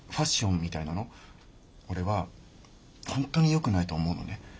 俺は本当によくないと思うのね。